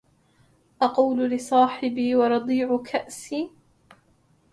أقول لصاحبي ورضيع كأسي